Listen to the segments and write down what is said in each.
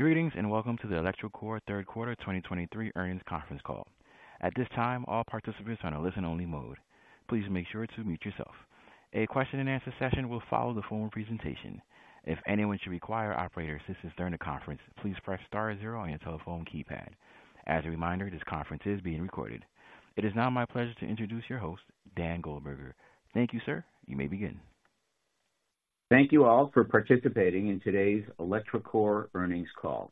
Greetings, and welcome to the electroCore Third Quarter 2023 Earnings Conference Call. At this time, all participants are on a listen-only mode. Please make sure to mute yourself. A question and answer session will follow the formal presentation. If anyone should require operator assistance during the conference, please press star zero on your telephone keypad. As a reminder, this conference is being recorded. It is now my pleasure to introduce your host, Dan Goldberger. Thank you, sir. You may begin. Thank you all for participating in today's electroCore earnings call.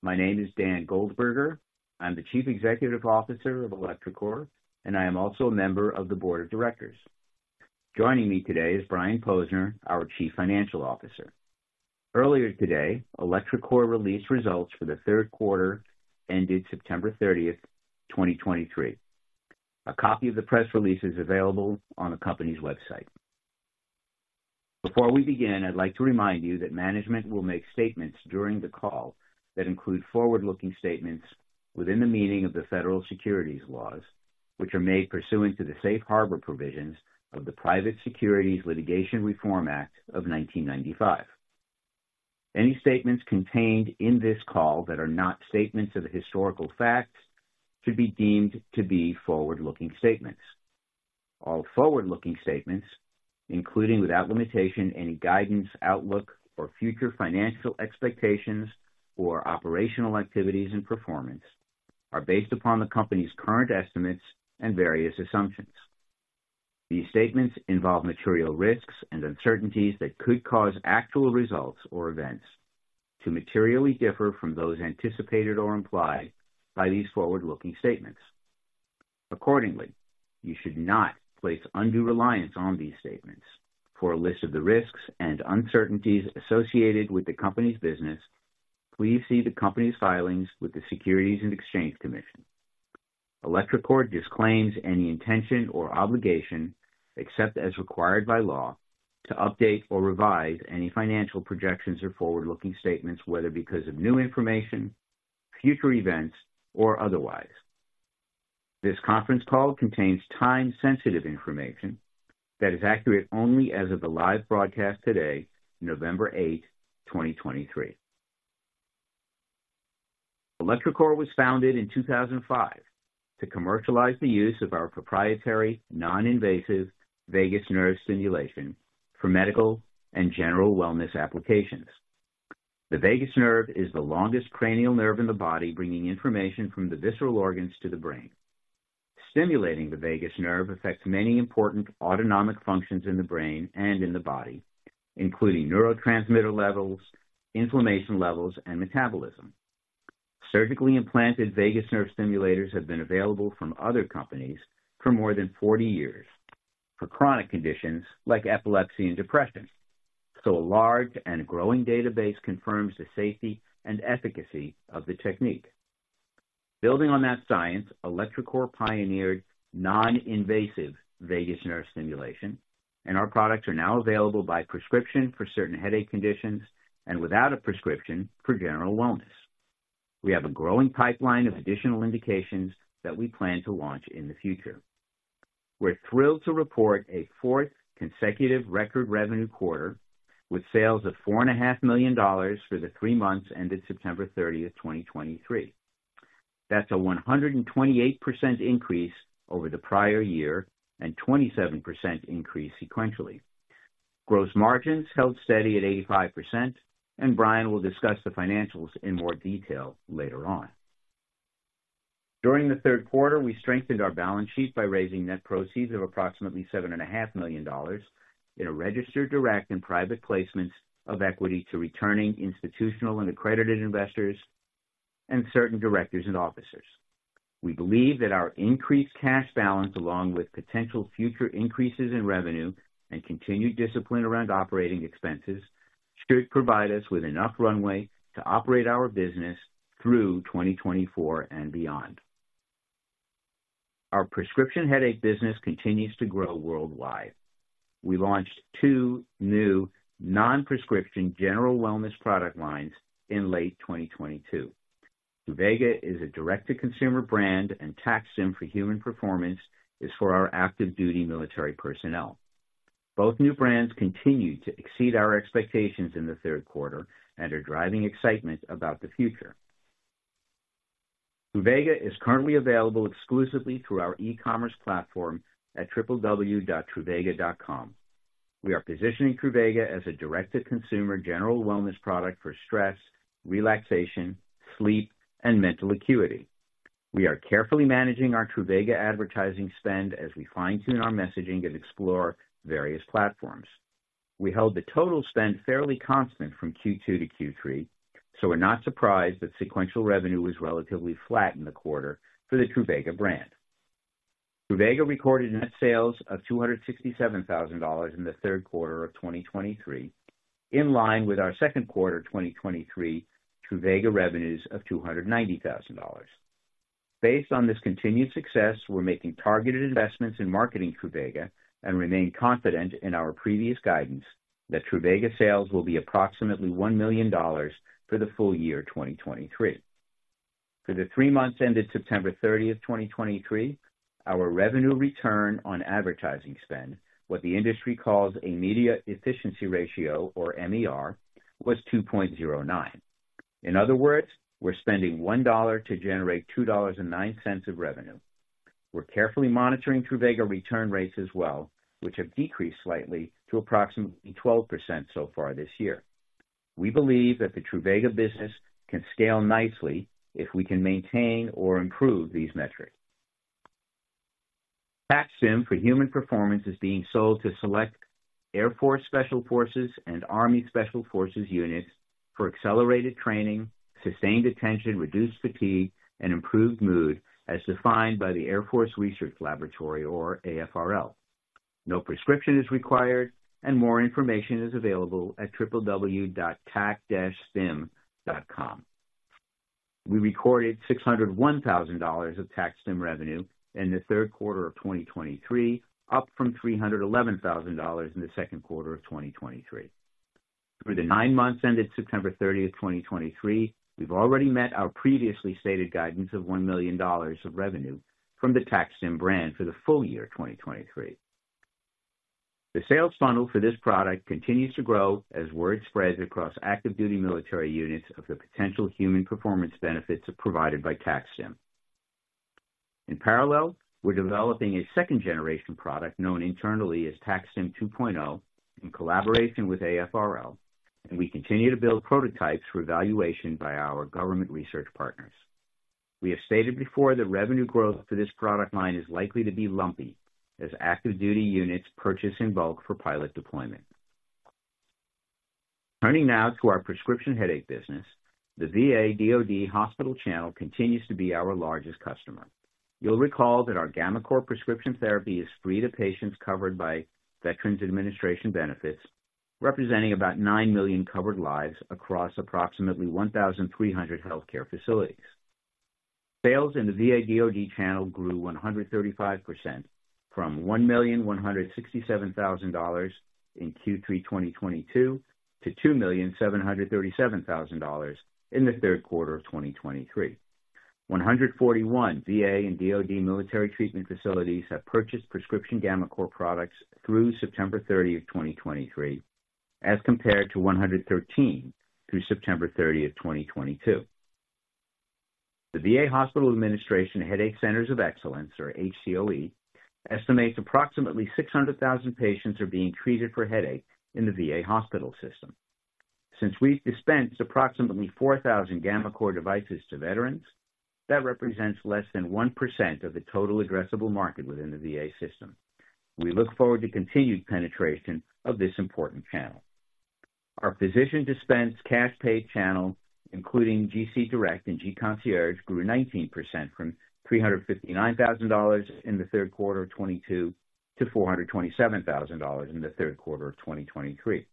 My name is Dan Goldberger. I'm the Chief Executive Officer of electroCore, and I am also a member of the Board of Directors. Joining me today is Brian Posner, our Chief Financial Officer. Earlier today, electroCore released results for the third quarter ended September 30, 2023. A copy of the press release is available on the company's website. Before we begin, I'd like to remind you that management will make statements during the call that include forward-looking statements within the meaning of the federal securities laws, which are made pursuant to the Safe Harbor provisions of the Private Securities Litigation Reform Act of 1995. Any statements contained in this call that are not statements of historical fact should be deemed to be forward-looking statements. All forward-looking statements, including, without limitation, any guidance, outlook, or future financial expectations or operational activities and performance, are based upon the company's current estimates and various assumptions. These statements involve material risks and uncertainties that could cause actual results or events to materially differ from those anticipated or implied by these forward-looking statements. Accordingly, you should not place undue reliance on these statements. For a list of the risks and uncertainties associated with the company's business, please see the company's filings with the Securities and Exchange Commission. electroCore disclaims any intention or obligation, except as required by law, to update or revise any financial projections or forward-looking statements, whether because of new information, future events, or otherwise. This conference call contains time-sensitive information that is accurate only as of the live broadcast today, November 8, 2023. electroCore was founded in 2005 to commercialize the use of our proprietary non-invasive vagus nerve stimulation for medical and general wellness applications. The vagus nerve is the longest cranial nerve in the body, bringing information from the visceral organs to the brain. Stimulating the vagus nerve affects many important autonomic functions in the brain and in the body, including neurotransmitter levels, inflammation levels, and metabolism. Surgically implanted vagus nerve stimulators have been available from other companies for more than 40 years for chronic conditions like epilepsy and depression, so a large and growing database confirms the safety and efficacy of the technique. Building on that science, electroCore pioneered non-invasive vagus nerve stimulation, and our products are now available by prescription for certain headache conditions and without a prescription for general wellness. We have a growing pipeline of additional indications that we plan to launch in the future. We're thrilled to report a fourth consecutive record revenue quarter with sales of $4.5 million for the three months ended September 30, 2023. That's a 128% increase over the prior year and 27% increase sequentially. Gross margins held steady at 85%, and Brian will discuss the financials in more detail later on. During the third quarter, we strengthened our balance sheet by raising net proceeds of approximately $7.5 million in a registered direct and private placement of equity to returning institutional and accredited investors and certain directors and officers. We believe that our increased cash balance, along with potential future increases in revenue and continued discipline around operating expenses, should provide us with enough runway to operate our business through 2024 and beyond. Our prescription headache business continues to grow worldwide. We launched two new non-prescription general wellness product lines in late 2022. Truvaga is a direct-to-consumer brand, and TAC-STIM for Human Performance is for our active duty military personnel. Both new brands continued to exceed our expectations in the third quarter and are driving excitement about the future. Truvaga is currently available exclusively through our e-commerce platform at www.truvaga.com. We are positioning Truvaga as a direct-to-consumer general wellness product for stress, relaxation, sleep, and mental acuity. We are carefully managing our Truvaga advertising spend as we fine-tune our messaging and explore various platforms. We held the total spend fairly constant from Q2 to Q3, so we're not surprised that sequential revenue was relatively flat in the quarter for the Truvaga brand. Truvaga recorded net sales of $267,000 in the third quarter of 2023, in line with our second quarter 2023 Truvaga revenues of $290,000. Based on this continued success, we're making targeted investments in marketing Truvaga and remain confident in our previous guidance that Truvaga sales will be approximately $1 million for the full year 2023. For the three months ended September 30, 2023, our revenue return on advertising spend, what the industry calls a media efficiency ratio or MER, was 2.09. In other words, we're spending $1 to generate $2.09 of revenue. We're carefully monitoring Truvaga return rates as well, which have decreased slightly to approximately 12% so far this year. We believe that the Truvaga business can scale nicely if we can maintain or improve these metrics. TAC-STIM for human performance is being sold to select Air Force Special Forces and Army Special Forces units for accelerated training, sustained attention, reduced fatigue, and improved mood, as defined by the Air Force Research Laboratory, or AFRL. No prescription is required, and more information is available at www.tac-stim.com. We recorded $601,000 of TAC-STIM revenue in the third quarter of 2023, up from $311,000 in the second quarter of 2023. For the nine months ended September 30, 2023, we've already met our previously stated guidance of $1 million of revenue from the TAC-STIM brand for the full year 2023. The sales funnel for this product continues to grow as word spreads across active duty military units of the potential human performance benefits provided by TAC-STIM. In parallel, we're developing a second generation product, known internally as TAC-STIM 2.0, in collaboration with AFRL, and we continue to build prototypes for evaluation by our government research partners. We have stated before that revenue growth for this product line is likely to be lumpy as active duty units purchase in bulk for pilot deployment. Turning now to our prescription headache business. The VA/DoD hospital channel continues to be our largest customer. You'll recall that our gammaCore prescription therapy is free to patients covered by Veterans Administration benefits, representing about 9 million covered lives across approximately 1,300 healthcare facilities. Sales in the VA/DoD channel grew 135%, from $1,167,000 in Q3 2022 to $2,737,000 in the third quarter of 2023. 141 VA/DoD military treatment facilities have purchased prescription gammaCore products through September 30, 2023, as compared to 113 through September 30, 2022. The VA Hospital Administration Headache Centers of Excellence, or HCoE, estimates approximately 600,000 patients are being treated for headache in the VA hospital system. Since we've dispensed approximately 4,000 gammaCore devices to veterans, that represents less than 1% of the total addressable market within the VA system. We look forward to continued penetration of this important channel. Our physician-dispensed cash-paid channel, including gC Direct and gConcierge, grew 19%, from $359,000 in the third quarter of 2022 to $427,000 in the third quarter of 2023.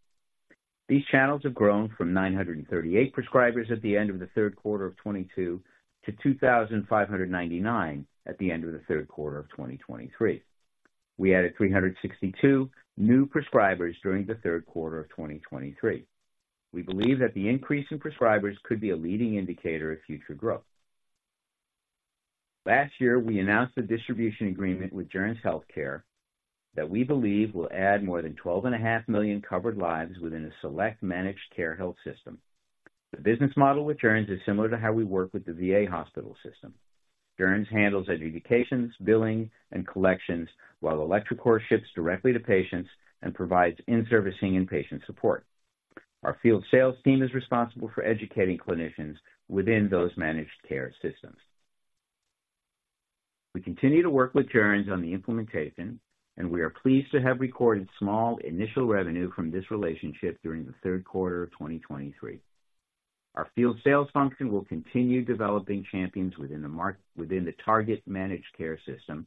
These channels have grown from 938 prescribers at the end of the third quarter of 2022 to 2,599 at the end of the third quarter of 2023. We added 362 new prescribers during the third quarter of 2023. We believe that the increase in prescribers could be a leading indicator of future growth. Last year, we announced a distribution agreement with Joerns Healthcare that we believe will add more than 12.5 million covered lives within a select managed care health system. The business model with Joerns is similar to how we work with the VA hospital system. Joerns handles adjudications, billing, and collections, while electroCore ships directly to patients and provides in-servicing and patient support. Our field sales team is responsible for educating clinicians within those managed care systems. We continue to work with Joerns on the implementation, and we are pleased to have recorded small initial revenue from this relationship during the third quarter of 2023. Our field sales function will continue developing champions within the target managed care system,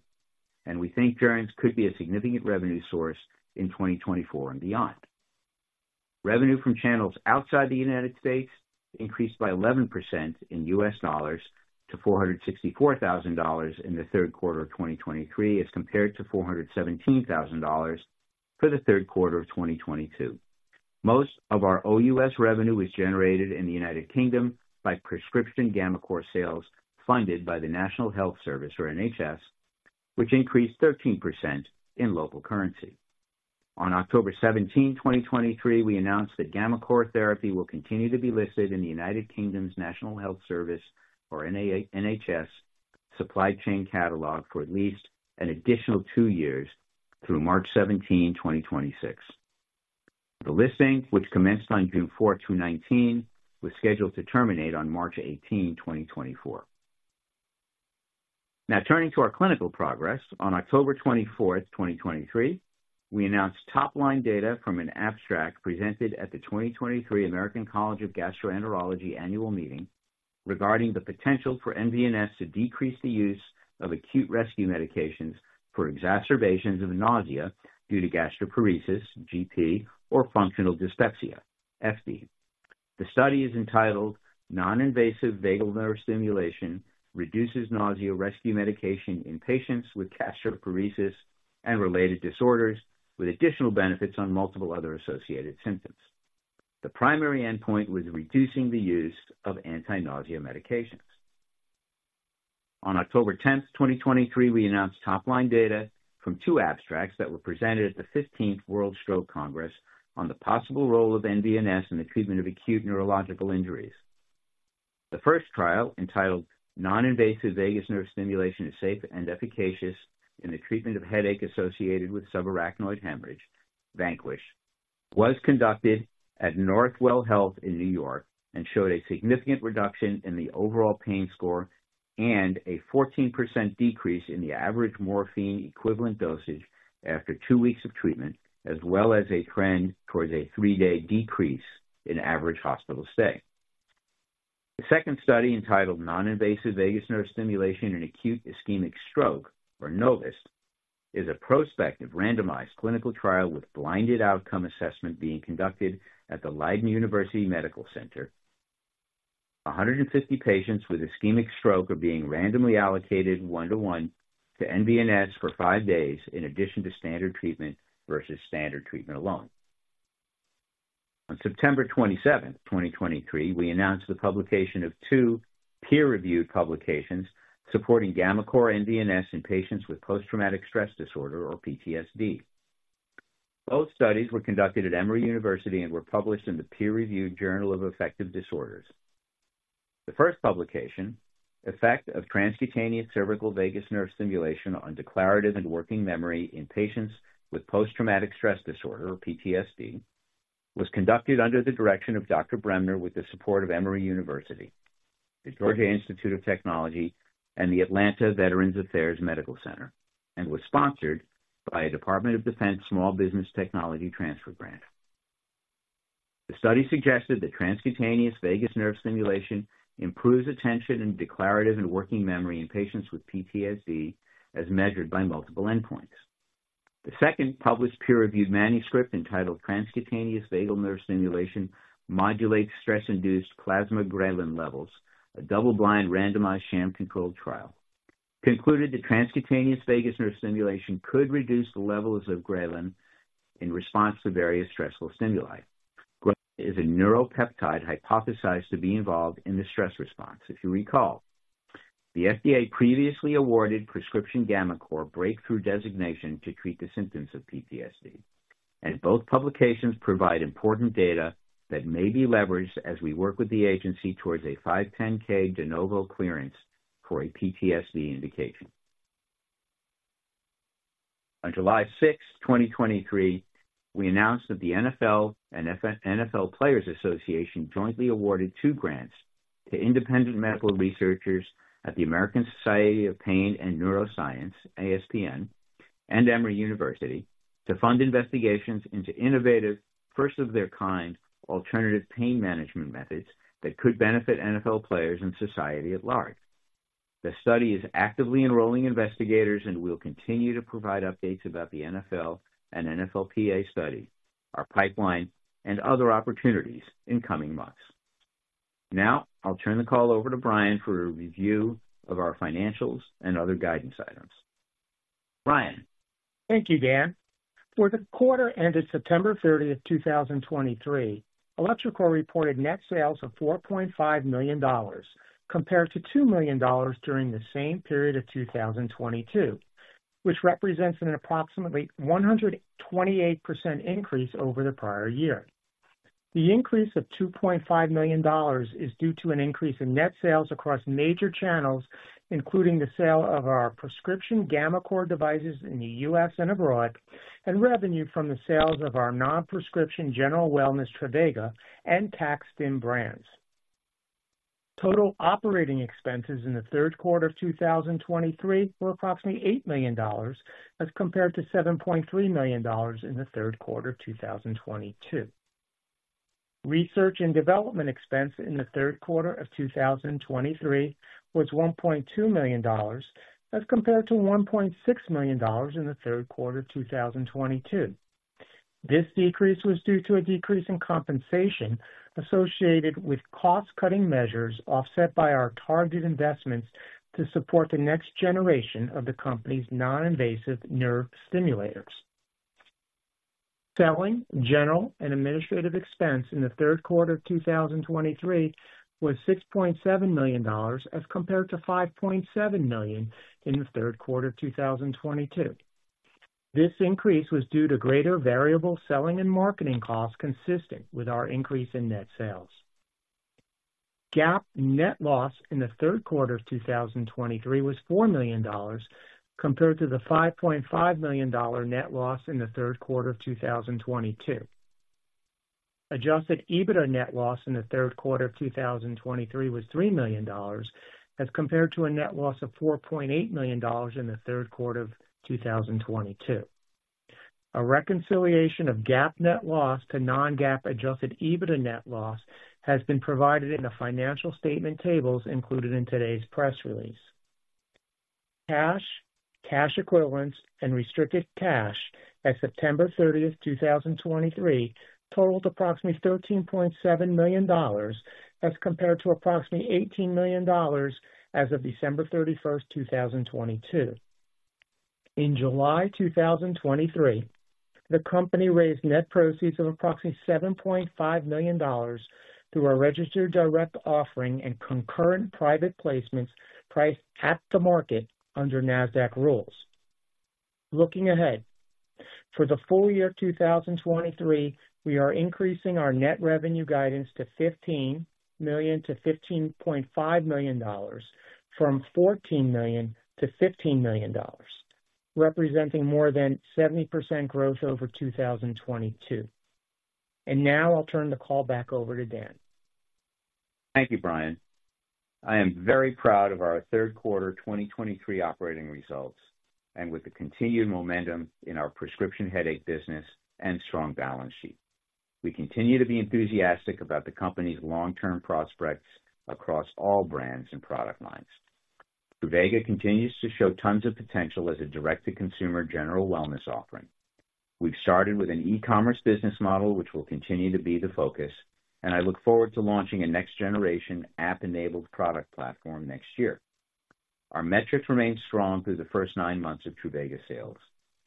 and we think Joerns could be a significant revenue source in 2024 and beyond. Revenue from channels outside the United States increased by 11% in US dollars to $464,000 in the third quarter of 2023, as compared to $417,000 for the third quarter of 2022. Most of our OUS revenue was generated in the United Kingdom by prescription gammaCore sales, funded by the National Health Service, or NHS, which increased 13% in local currency. On October 17, 2023, we announced that gammaCore therapy will continue to be listed in the United Kingdom's National Health Service, or NHS, supply chain catalog for at least an additional two years through March 17, 2026. The listing, which commenced on June 4, 2019, was scheduled to terminate on March 18, 2024. Now, turning to our clinical progress. On October 24, 2023, we announced top-line data from an abstract presented at the 2023 American College of Gastroenterology annual meeting regarding the potential for nVNS to decrease the use of acute rescue medications for exacerbations of nausea due to gastroparesis, GP, or functional dyspepsia, FD. The study is entitled "Non-Invasive Vagus Nerve Stimulation reduces Nausea Rescue Medication in Patients with Gastroparesis and Related Disorders, with Additional Benefits on Multiple Other Associated Symptoms." The primary endpoint was reducing the use of anti-nausea medications. On October 10, 2023, we announced top-line data from two abstracts that were presented at the 15th World Stroke Congress on the possible role of nVNS in the treatment of acute neurological injuries. The first trial, entitled "Non-Invasive Vagus Nerve Stimulation is Safe and Efficacious in the Treatment of Headache Associated with Subarachnoid Hemorrhage" VANQUISH, was conducted at Northwell Health in New York and showed a significant reduction in the overall pain score and a 14% decrease in the average morphine equivalent dosage after two weeks of treatment, as well as a trend towards a three-day decrease in average hospital stay. The second study, entitled "Non-Invasive Vagus Nerve Stimulation in Acute Ischemic Stroke" or NOVIS, is a prospective randomized clinical trial with blinded outcome assessment being conducted at the Leiden University Medical Center. 150 patients with ischemic stroke are being randomly allocated 1:1 to nVNS for five days, in addition to standard treatment versus standard treatment alone. On September 27, 2023, we announced the publication of two peer-reviewed publications supporting gammaCore nVNS in patients with post-traumatic stress disorder, or PTSD. Both studies were conducted at Emory University and were published in the peer-reviewed Journal of Affective Disorders. The first publication, Effect of Transcutaneous Cervical Vagus Nerve Stimulation on Declarative and Working Memory in Patients with Post-Traumatic Stress Disorder, or PTSD, was conducted under the direction of Dr. Bremner with the support of Emory University, the Georgia Institute of Technology, and the Atlanta Veterans Affairs Medical Center, and was sponsored by a Department of Defense Small Business Technology Transfer grant. The study suggested that transcutaneous vagus nerve stimulation improves attention in declarative and working memory in patients with PTSD, as measured by multiple endpoints. The second published peer-reviewed manuscript, entitled Transcutaneous Vagus Nerve Stimulation Modulates Stress-Induced Plasma Ghrelin Levels: A Double-Blind, Randomized, Sham-Controlled Trial, concluded that transcutaneous vagus nerve stimulation could reduce the levels of ghrelin in response to various stressful stimuli. Ghrelin is a neuropeptide hypothesized to be involved in the stress response. If you recall, the FDA previously awarded prescription gammaCore breakthrough designation to treat the symptoms of PTSD, and both publications provide important data that may be leveraged as we work with the agency towards a 510(k) de novo clearance for a PTSD indication. On July 6, 2023, we announced that the NFL and NFL Players Association jointly awarded two grants to independent medical researchers at the American Society of Pain and Neuroscience, ASPN, and Emory University to fund investigations into innovative, first-of-their-kind alternative pain management methods that could benefit NFL players and society at large. The study is actively enrolling investigators, and we'll continue to provide updates about the NFL and NFLPA study, our pipeline, and other opportunities in coming months. Now, I'll turn the call over to Brian for a review of our financials and other guidance items. Brian? Thank you, Dan. For the quarter ended September 30, 2023, electroCore reported net sales of $4.5 million, compared to $2 million during the same period of 2022, which represents an approximately 128% increase over the prior year. The increase of $2.5 million is due to an increase in net sales across major channels, including the sale of our prescription gammaCore devices in the U.S. and abroad, and revenue from the sales of our non-prescription general wellness Truvaga and TAC-STIM brands. Total operating expenses in the third quarter of 2023 were approximately $8 million, as compared to $7.3 million in the third quarter of 2022. Research and development expense in the third quarter of 2023 was $1.2 million, as compared to $1.6 million in the third quarter of 2022. This decrease was due to a decrease in compensation associated with cost-cutting measures, offset by our targeted investments to support the next generation of the company's non-invasive nerve stimulators. Selling, general, and administrative expense in the third quarter of 2023 was $6.7 million, as compared to $5.7 million in the third quarter of 2022. This increase was due to greater variable selling and marketing costs consistent with our increase in net sales. GAAP net loss in the third quarter of 2023 was $4 million, compared to the $5.5 million net loss in the third quarter of 2022. Adjusted EBITDA net loss in the third quarter of 2023 was $3 million, as compared to a net loss of $4.8 million in the third quarter of 2022. A reconciliation of GAAP net loss to non-GAAP adjusted EBITDA net loss has been provided in the financial statement tables included in today's press release. Cash, cash equivalents, and restricted cash at September 30, 2023, totaled approximately $13.7 million, as compared to approximately $18 million as of December 31, 2022. In July 2023, the company raised net proceeds of approximately $7.5 million through a registered direct offering and concurrent private placements priced at the market under NASDAQ rules. Looking ahead, for the full year 2023, we are increasing our net revenue guidance to $15 million-$15.5 million, from $14 million-$15 million, representing more than 70% growth over 2022. And now I'll turn the call back over to Dan. Thank you, Brian. I am very proud of our third quarter 2023 operating results, and with the continued momentum in our prescription headache business and strong balance sheet. We continue to be enthusiastic about the company's long-term prospects across all brands and product lines. Truvaga continues to show tons of potential as a direct-to-consumer general wellness offering. We've started with an e-commerce business model, which will continue to be the focus, and I look forward to launching a next generation app-enabled product platform next year. Our metrics remained strong through the first nine months of Truvaga sales.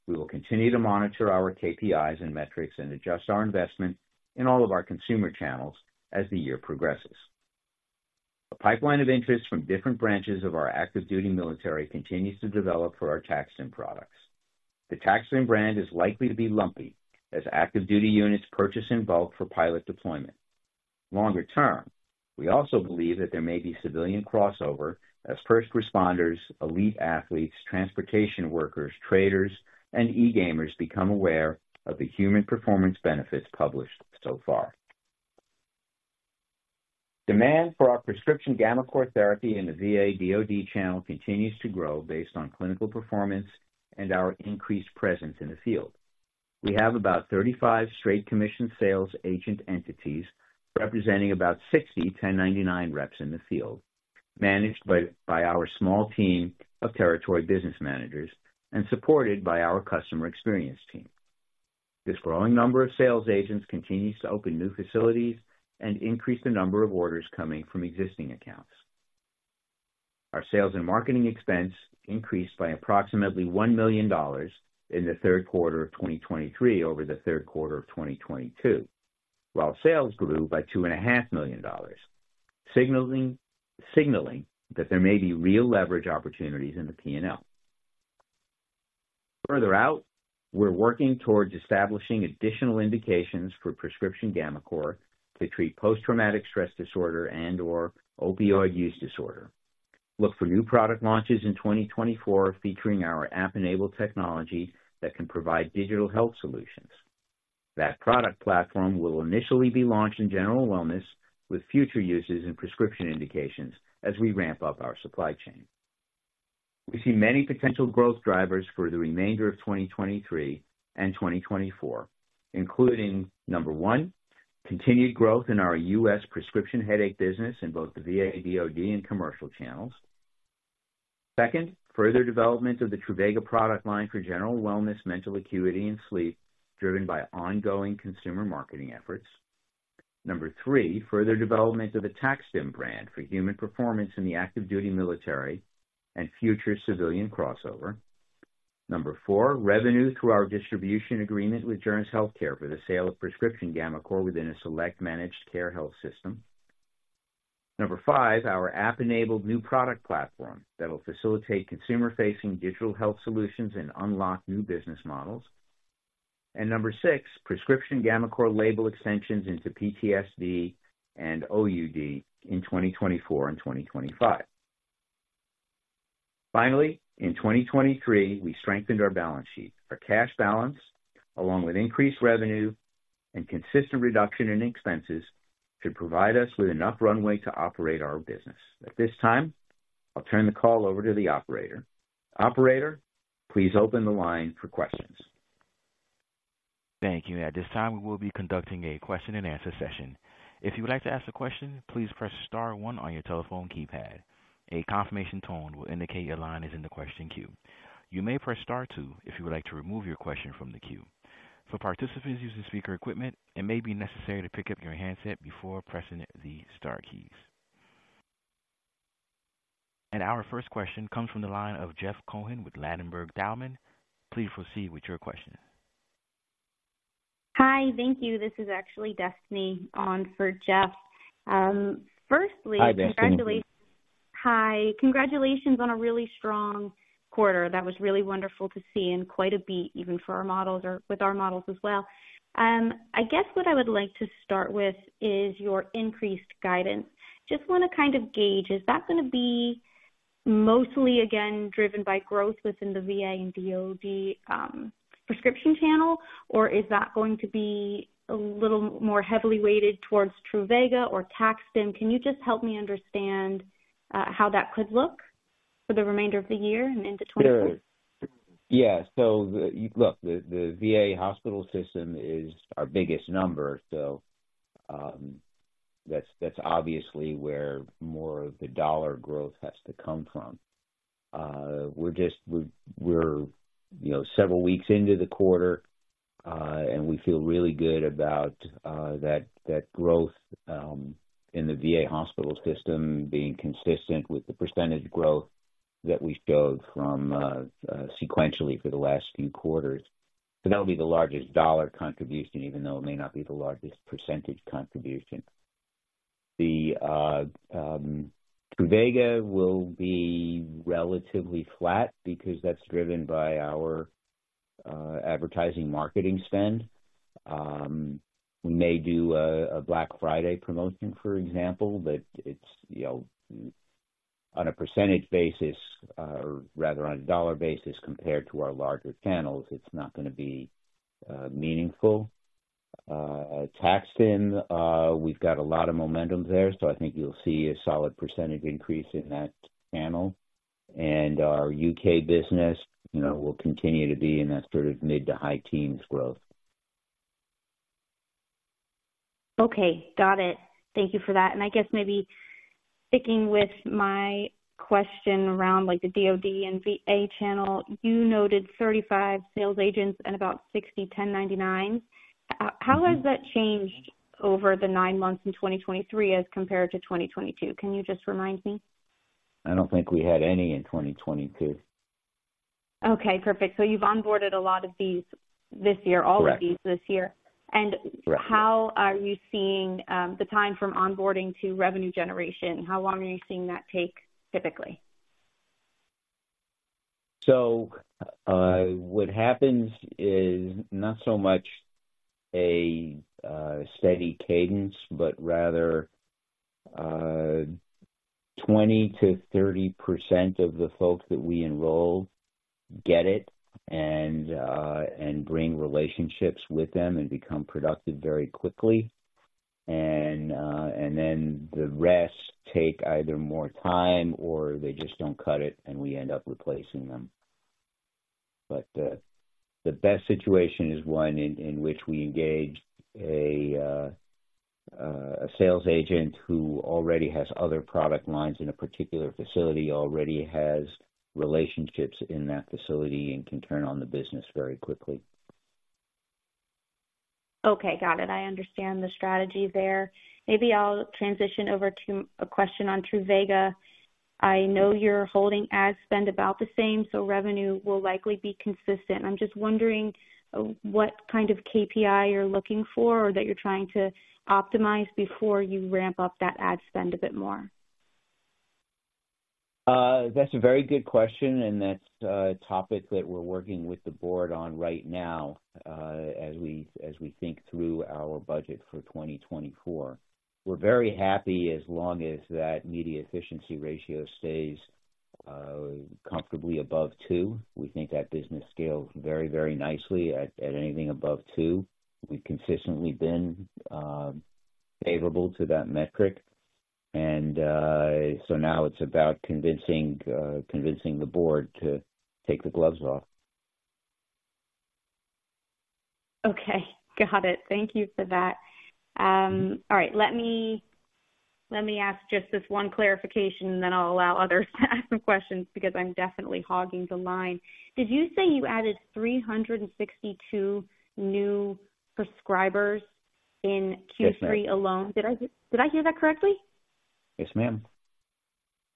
We will continue to monitor our KPIs and metrics and adjust our investment in all of our consumer channels as the year progresses. A pipeline of interest from different branches of our active duty military continues to develop for our TAC-STIM products. The TAC-STIM brand is likely to be lumpy as active duty units purchase in bulk for pilot deployment. Longer term, we also believe that there may be civilian crossover as first responders, elite athletes, transportation workers, traders, and e-gamers become aware of the human performance benefits published so far. Demand for our prescription gammaCore therapy in the VA/DoD channel continues to grow based on clinical performance and our increased presence in the field. We have about 35 straight commission sales agent entities, representing about 60 1099 reps in the field, managed by, by our small team of territory business managers and supported by our customer experience team. This growing number of sales agents continues to open new facilities and increase the number of orders coming from existing accounts. Our sales and marketing expense increased by approximately $1 million in the third quarter of 2023 over the third quarter of 2022, while sales grew by $2.5 million. Signaling that there may be real leverage opportunities in the P&L. Further out, we're working towards establishing additional indications for prescription gammaCore to treat post-traumatic stress disorder and/or opioid use disorder. Look for new product launches in 2024, featuring our app-enabled technology that can provide digital health solutions. That product platform will initially be launched in general wellness, with future uses and prescription indications as we ramp up our supply chain. We see many potential growth drivers for the remainder of 2023 and 2024, including, number one, continued growth in our U.S. prescription headache business in both the VA/DoD and commercial channels. Second, further development of the Truvaga product line for general wellness, mental acuity, and sleep, driven by ongoing consumer marketing efforts. Number three, further development of the TAC-STIM brand for human performance in the active duty military and future civilian crossover. Number four, revenue through our distribution agreement with Joerns Healthcare for the sale of prescription gammaCore within a select managed care health system. Number five, our app-enabled new product platform that will facilitate consumer-facing digital health solutions and unlock new business models. And number six, prescription gammaCore label extensions into PTSD and OUD in 2024 and 2025. Finally, in 2023, we strengthened our balance sheet. Our cash balance, along with increased revenue and consistent reduction in expenses, should provide us with enough runway to operate our business. At this time, I'll turn the call over to the operator. Operator, please open the line for questions. Thank you. At this time, we will be conducting a question-and-answer session. If you would like to ask a question, please press star one on your telephone keypad. A confirmation tone will indicate your line is in the question queue. You may press star two if you would like to remove your question from the queue. For participants using speaker equipment, it may be necessary to pick up your handset before pressing the star keys. Our first question comes from the line of Jeff Cohen with Ladenburg Thalmann. Please proceed with your question. Hi. Thank you. This is actually Destiny on for Jeff. Firstly- Hi, Destiny. Congratulations. Hi, congratulations on a really strong quarter. That was really wonderful to see and quite a beat even for our models or with our models as well. I guess what I would like to start with is your increased guidance. Just want to kind of gauge, is that going to be mostly again driven by growth within the VA and DoD prescription channel? Or is that going to be a little more heavily weighted towards Truvaga or TAC-STIM? Can you just help me understand, how that could look for the remainder of the year and into 2024? Sure. Yeah. So the -- look, the VA hospital system is our biggest number, so, that's obviously where more of the dollar growth has to come from. We're just, we're, you know, several weeks into the quarter. And we feel really good about, that growth in the VA hospital system being consistent with the percentage growth that we showed from, sequentially for the last few quarters. So that'll be the largest dollar contribution, even though it may not be the largest percentage contribution. The Truvaga will be relatively flat because that's driven by our advertising marketing spend. We may do a Black Friday promotion, for example, but it's, you know, on a percentage basis, or rather on a dollar basis, compared to our larger channels, it's not gonna be meaningful. TAC-STIM, we've got a lot of momentum there, so I think you'll see a solid percentage increase in that channel. And our U.K. business, you know, will continue to be in that sort of mid- to high-teens growth. Okay, got it. Thank you for that. And I guess maybe sticking with my question around, like, the DoD and VA channel, you noted 35 sales agents and about 60 1099s. How has that changed over the nine months in 2023 as compared to 2022? Can you just remind me? I don't think we had any in 2022. Okay, perfect. So you've onboarded a lot of these this year- Correct. all of these this year. Correct. How are you seeing the time from onboarding to revenue generation? How long are you seeing that take, typically? So, what happens is not so much a steady cadence, but rather, 20%-30% of the folks that we enroll get it and bring relationships with them and become productive very quickly. And then the rest take either more time or they just don't cut it, and we end up replacing them. But the best situation is one in which we engage a sales agent who already has other product lines in a particular facility, already has relationships in that facility, and can turn on the business very quickly. Okay, got it. I understand the strategy there. Maybe I'll transition over to a question on Truvaga. I know you're holding ad spend about the same, so revenue will likely be consistent. I'm just wondering what kind of KPI you're looking for or that you're trying to optimize before you ramp up that ad spend a bit more. That's a very good question, and that's a topic that we're working with the board on right now, as we think through our budget for 2024. We're very happy as long as that Media Efficiency Ratio stays comfortably above two. We think that business scales very, very nicely at anything above two. We've consistently been favorable to that metric, and so now it's about convincing the board to take the gloves off. Okay, got it. Thank you for that. All right, let me ask just this one clarification, and then I'll allow others to ask some questions because I'm definitely hogging the line. Did you say you added 362 new prescribers in- Yes, ma'am. Q3 alone? Did I, did I hear that correctly? Yes, ma'am.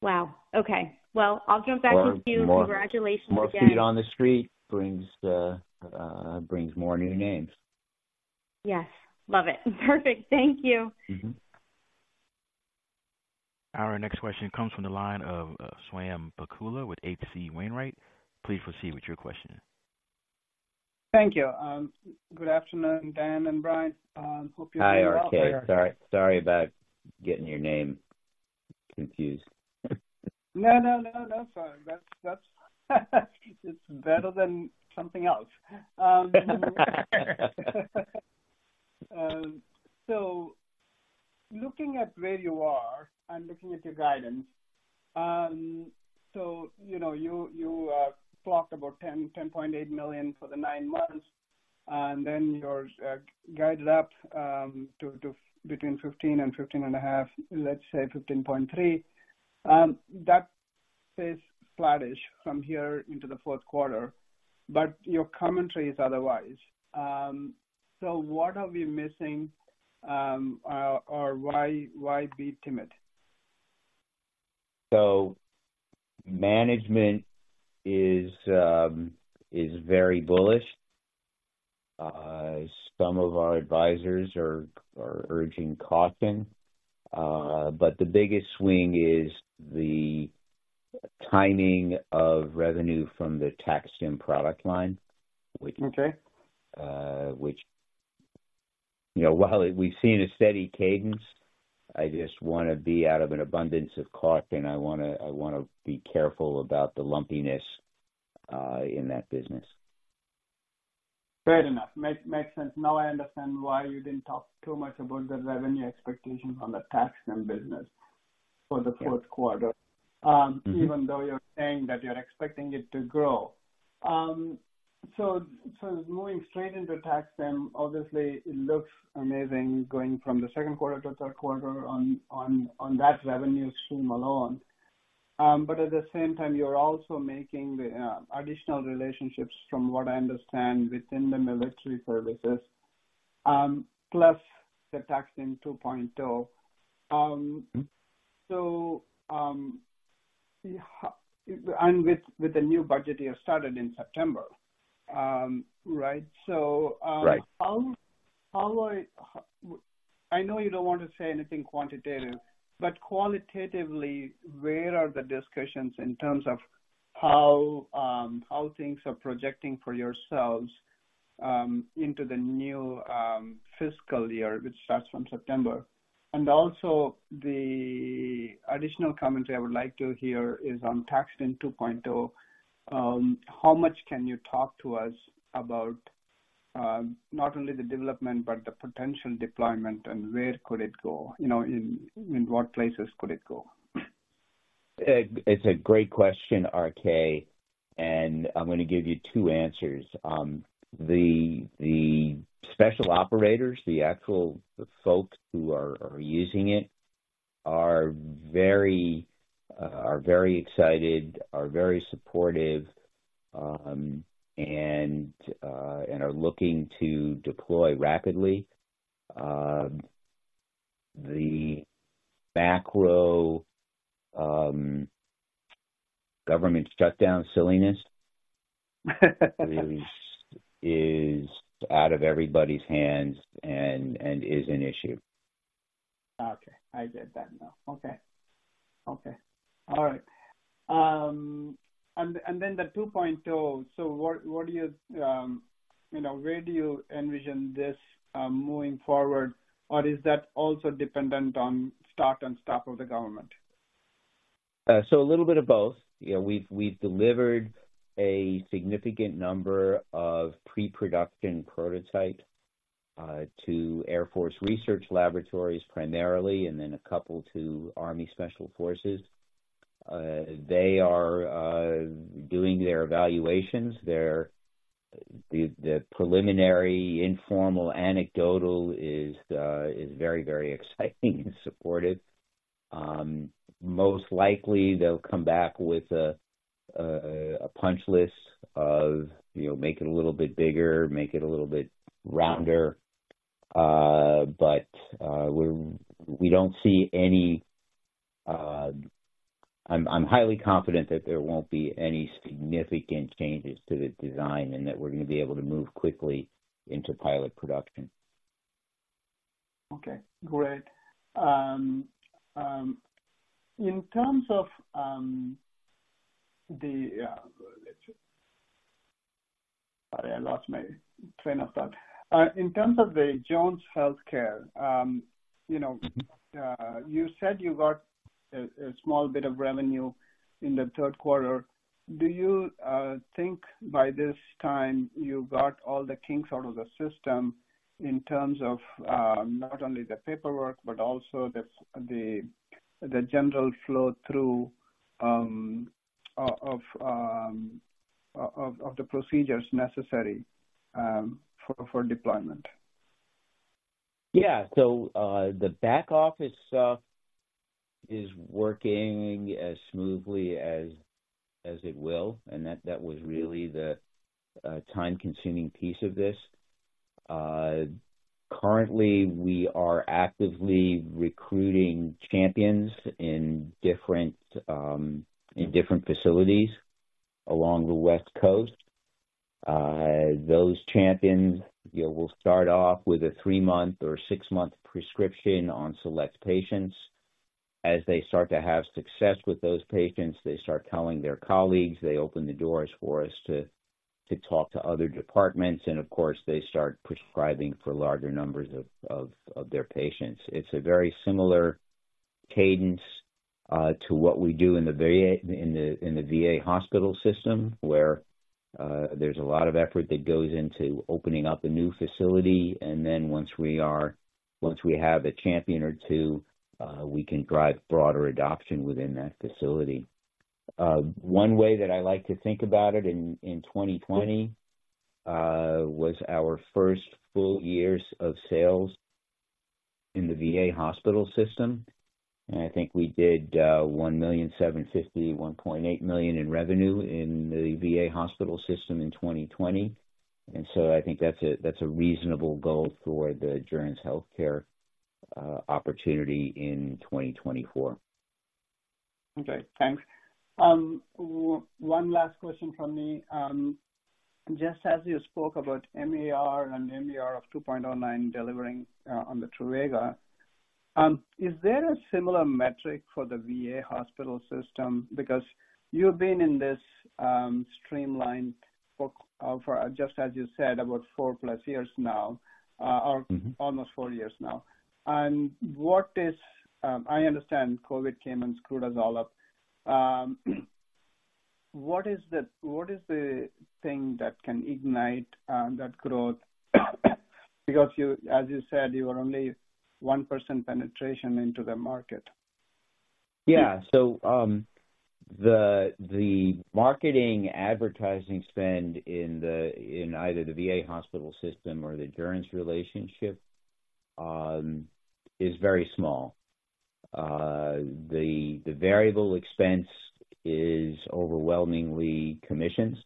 Wow! Okay. Well, I'll jump back into- More, more- Congratulations again. More feet on the street brings more new names. Yes. Love it. Perfect. Thank you. Our next question comes from the line of, RK Swayampakula with H.C. Wainwright. Please proceed with your question. Thank you. Good afternoon, Dan and Brian. Hope you're- Hi, RK. Sorry, sorry about getting your name confused. No, no, no, no, sorry. That's, that's it's better than something else. So looking at where you are and looking at your guidance, so, you know, you talked about $10.8 million for the nine months, and then your guidance to between $15 million and $15.5 million, let's say $15.3 million. That is flattish from here into the fourth quarter, but your commentary is otherwise. So what are we missing, or why be timid? So management is very bullish. Some of our advisors are urging caution, but the biggest swing is the timing of revenue from the TAC-STIM product line. Okay. Which, you know, while we've seen a steady cadence, I just wanna be out of an abundance of caution. I wanna be careful about the lumpiness in that business. Fair enough. Makes sense. Now I understand why you didn't talk too much about the revenue expectation from the TAC-STIM business for the fourth quarter. Even though you're saying that you're expecting it to grow. So, moving straight into TAC-STIM, obviously it looks amazing going from the second quarter to third quarter on that revenue stream alone. But at the same time, you're also making the additional relationships, from what I understand, within the military services, plus the TAC-STIM 2.0. So, and with, with the new budget year started in September, right? Right. I know you don't want to say anything quantitative, but qualitatively, where are the discussions in terms of how things are projecting for yourselves into the new fiscal year, which starts from September? And also, the additional commentary I would like to hear is on TAC-STIM 2.0. How much can you talk to us about not only the development, but the potential deployment, and where could it go? You know, in what places could it go? It's a great question, RK, and I'm going to give you two answers. The special operators, the folks who are using it, are very excited, are very supportive, and are looking to deploy rapidly. The macro government shutdown silliness is out of everybody's hands and is an issue. Okay. I get that now. Okay. Okay. All right. And then the 2.0, so what do you. You know, where do you envision this moving forward, or is that also dependent on start and stop of the government? So a little bit of both. You know, we've, we've delivered a significant number of pre-production prototypes to Air Force Research Laboratory primarily, and then a couple to Army Special Forces. They are doing their evaluations. Their preliminary, informal anecdotal is very, very exciting and supportive. Most likely, they'll come back with a punch list of, you know, make it a little bit bigger, make it a little bit rounder. But we're, we don't see any... I'm highly confident that there won't be any significant changes to the design, and that we're going to be able to move quickly into pilot production. Okay, great. Sorry, I lost my train of thought. In terms of the Joerns Healthcare, you know. You said you got a small bit of revenue in the third quarter. Do you think by this time you got all the kinks out of the system in terms of not only the paperwork, but also the general flow through of the procedures necessary for deployment? Yeah. So, the back office stuff is working as smoothly as it will, and that, that was really the time-consuming piece of this. Currently, we are actively recruiting champions in different, in different facilities along the West Coast. Those champions, you know, will start off with a three-month or six-month prescription on select patients. As they start to have success with those patients, they start telling their colleagues, they open the doors for us to talk to other departments, and of course, they start prescribing for larger numbers of their patients. It's a very similar cadence to what we do in the VA, in the VA hospital system, where there's a lot of effort that goes into opening up a new facility, and then once we have a champion or two, we can drive broader adoption within that facility. One way that I like to think about it, in 2020, was our first full years of sales in the VA hospital system, and I think we did $1.75 million, $1.8 million in revenue in the VA hospital system in 2020. And so I think that's a reasonable goal for the Joerns Healthcare opportunity in 2024. Okay, thanks. One last question from me. Just as you spoke about MAR and MAR of 2.09 delivering on the Truvaga, is there a similar metric for the VA hospital system? Because you've been in this streamlined for just as you said, about 4+ years now. Or almost four years now. I understand COVID came and screwed us all up. What is the thing that can ignite that growth? Because you, as you said, you are only 1% penetration into the market. Yeah. So, the marketing advertising spend in either the VA hospital system or the Joerns relationship is very small. The variable expense is overwhelmingly commissions.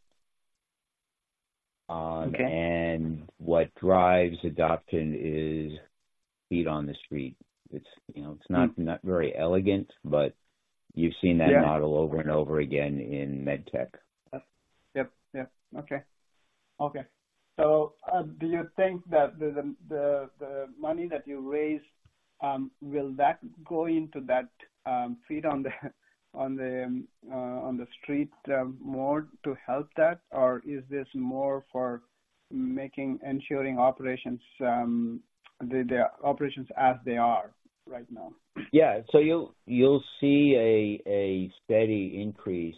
Okay. What drives adoption is feet on the street. It's, you know, it's not very elegant, but you've seen that model over and over again in med tech. Yep. Yep. Okay. Okay. So, do you think that the money that you raised will that go into that, feet on the street, more to help that? Or is this more for making, ensuring operations, the operations as they are right now? Yeah. So you'll see a steady increase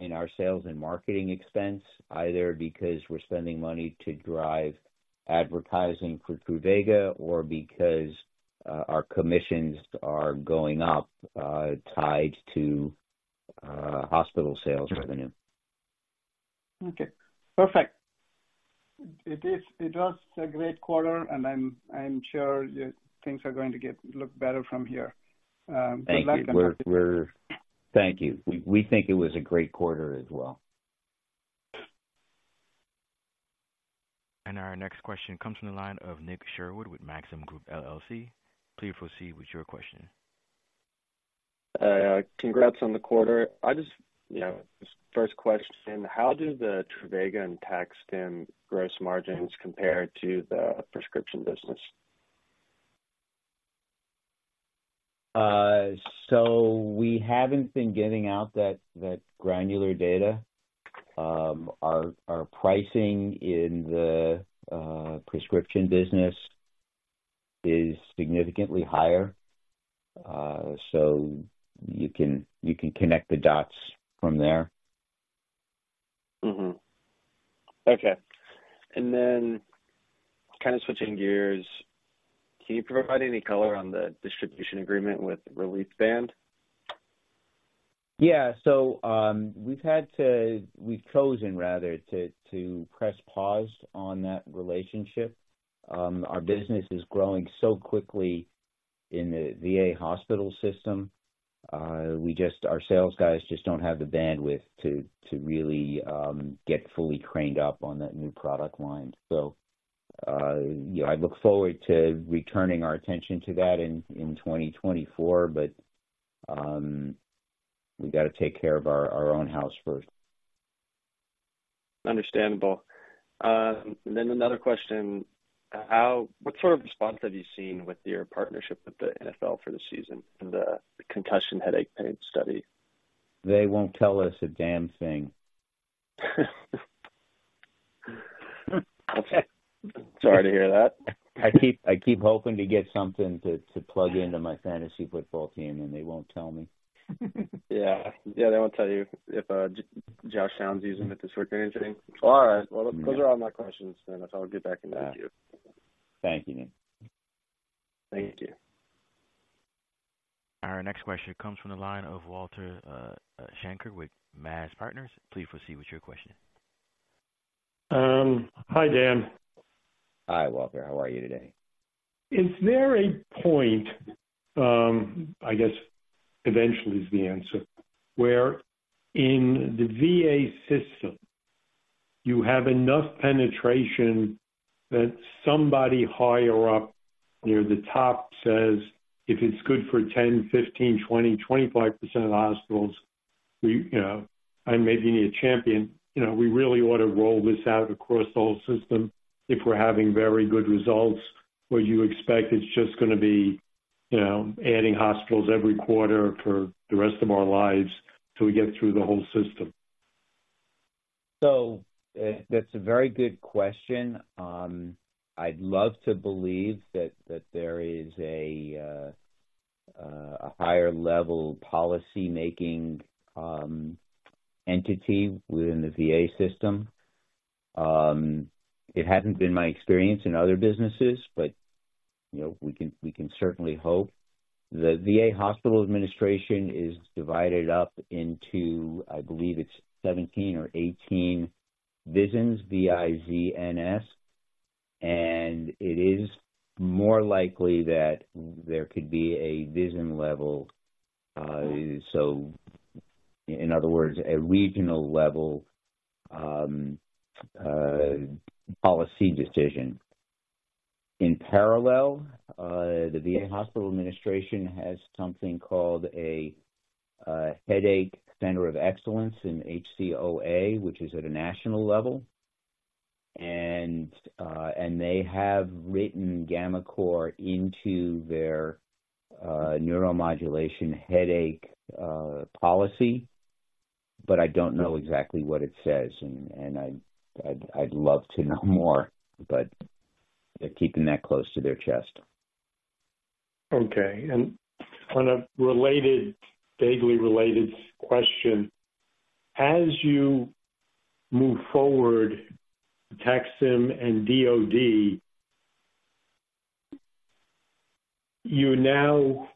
in our sales and marketing expense, either because we're spending money to drive advertising for Truvaga or because our commissions are going up, tied to hospital sales revenue. Okay, perfect. It was a great quarter, and I'm sure things are going to get to look better from here. Good luck. Thank you. We're... Thank you. We think it was a great quarter as well. Our next question comes from the line of Nick Sherwood with Maxim Group LLC. Please proceed with your question. Congrats on the quarter. I just, you know, first question, how do the Truvaga and TAC-STIM gross margins compare to the prescription business? So we haven't been giving out that granular data. Our pricing in the prescription business is significantly higher. So you can connect the dots from there. Mm-hmm. Okay. And then kind of switching gears, can you provide any color on the distribution agreement with Reliefband? Yeah. So, we've chosen, rather, to press pause on that relationship. Our business is growing so quickly in the VA hospital system. We just, our sales guys just don't have the bandwidth to really get fully ramped up on that new product line. So, you know, I look forward to returning our attention to that in 2024, but we've got to take care of our own house first. Understandable. Then another question, what sort of response have you seen with your partnership with the NFL for the season and the concussion headache pain study? They won't tell us a damn thing. Okay. Sorry to hear that. I keep hoping to get something to plug into my fantasy football team, and they won't tell me. Yeah. Yeah, they won't tell you if Josh is using it to sort anything. All right. Okay. Well, those are all my questions, Dan. I'll get back in touch with you. Thank you, Nick. Thank you. Our next question comes from the line of Walter Schenker with MAZ Partners. Please proceed with your question. Hi, Dan. Hi, Walter. How are you today? Is there a point, I guess eventually is the answer, where in the VA system you have enough penetration that somebody higher up near the top says, "If it's good for 10%, 15%, 20%, 25% of the hospitals, we, you know, I maybe need a champion, you know, we really ought to roll this out across the whole system if we're having very good results. Or you expect it's just gonna be, you know, adding hospitals every quarter for the rest of our lives till we get through the whole system? So that's a very good question. I'd love to believe that, that there is a higher level policy making entity within the VA system. It hasn't been my experience in other businesses, but, you know, we can, we can certainly hope. The VA hospital administration is divided up into, I believe it's 17 or 18 VISNs, V-I-S-N-S, and it is more likely that there could be a VISN level, so in other words, a regional level, policy decision. In parallel, the VA hospital administration has something called a Headache Center of Excellence, an HCoE, which is at a national level. And they have written gammaCore into their neuromodulation headache policy, but I don't know exactly what it says, and I'd love to know more, but they're keeping that close to their chest. Okay. And on a related, vaguely related question, as you move forward, TAC-STIM and DoD, you now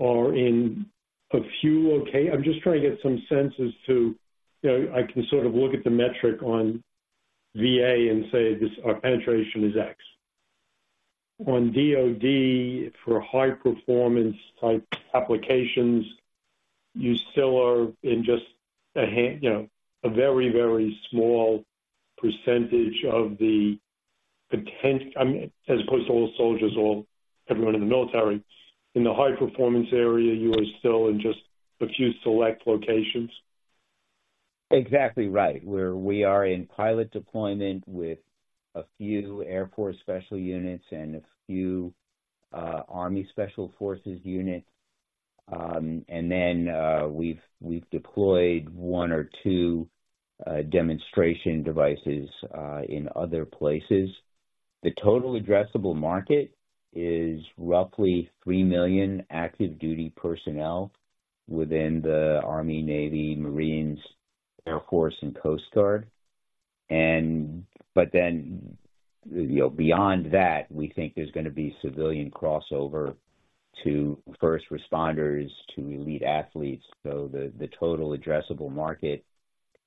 are in a few. Okay, I'm just trying to get some sense as to, you know, I can sort of look at the metric on VA and say this, our penetration is X. On DoD, for high performance type applications, you still are in just a handful, you know, a very, very small percentage of the potential, I mean, as opposed to all soldiers or everyone in the military. In the high performance area, you are still in just a few select locations? Exactly right. We are in pilot deployment with a few Air Force special units and a few Army Special Forces units. And then we've deployed one or two demonstration devices in other places. The total addressable market is roughly 3 million active duty personnel within the Army, Navy, Marines, Air Force, and Coast Guard. But then, you know, beyond that, we think there's gonna be civilian crossover to first responders, to elite athletes. So the total addressable market,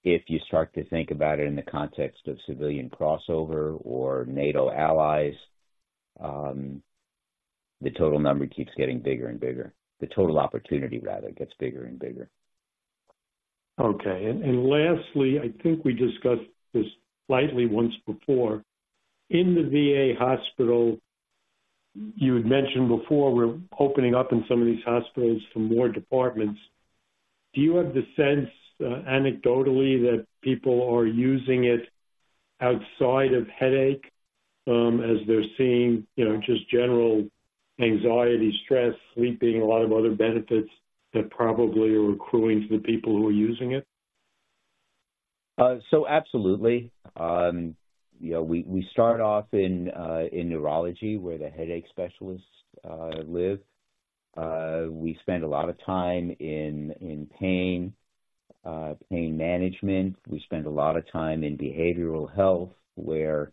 if you start to think about it in the context of civilian crossover or NATO allies, the total number keeps getting bigger and bigger. The total opportunity, rather, gets bigger and bigger. Okay. And lastly, I think we discussed this slightly once before. In the VA hospital, you had mentioned before, we're opening up in some of these hospitals for more departments. Do you have the sense, anecdotally, that people are using it outside of headache, as they're seeing, you know, just general anxiety, stress, sleeping, a lot of other benefits that probably are accruing to the people who are using it? So absolutely. You know, we start off in neurology, where the headache specialists live. We spend a lot of time in pain management. We spend a lot of time in behavioral health, where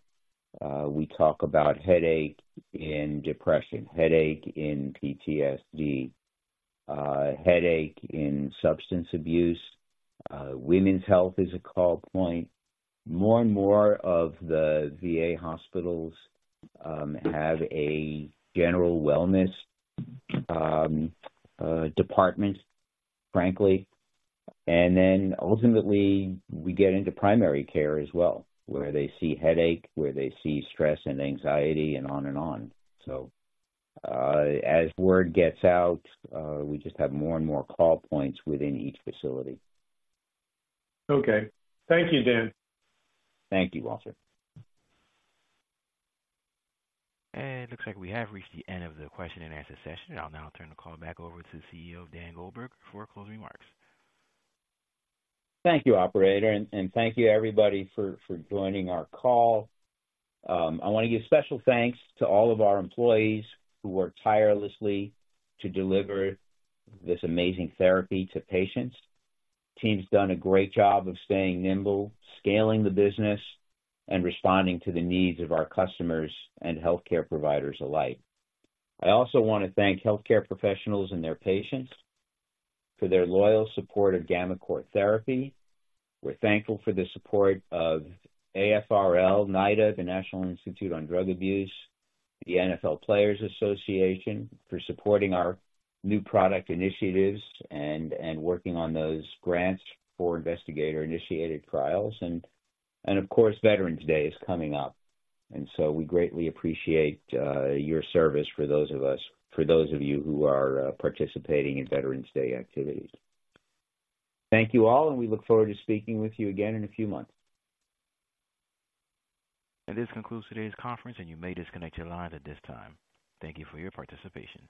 we talk about headache in depression, headache in PTSD, headache in substance abuse. Women's health is a call point. More and more of the VA hospitals have a general wellness department, frankly. And then ultimately, we get into primary care as well, where they see headache, where they see stress and anxiety, and on and on. So, as word gets out, we just have more and more call points within each facility. Okay. Thank you, Dan. Thank you, Walter. It looks like we have reached the end of the question and answer session. I'll now turn the call back over to the CEO, Dan Goldberger, for closing remarks. Thank you, operator, and thank you everybody for joining our call. I wanna give special thanks to all of our employees who work tirelessly to deliver this amazing therapy to patients. Team's done a great job of staying nimble, scaling the business, and responding to the needs of our customers and healthcare providers alike. I also want to thank healthcare professionals and their patients for their loyal support of gammaCore therapy. We're thankful for the support of AFRL, NIDA, the National Institute on Drug Abuse, the NFL Players Association, for supporting our new product initiatives and working on those grants for investigator-initiated trials. Of course, Veterans Day is coming up, and so we greatly appreciate your service for those of you who are participating in Veterans Day activities. Thank you all, and we look forward to speaking with you again in a few months. This concludes today's conference, and you may disconnect your line at this time. Thank you for your participation.